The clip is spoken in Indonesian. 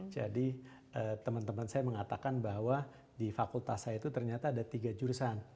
jadi teman teman saya mengatakan bahwa di fakultas saya itu ternyata ada tiga jurusan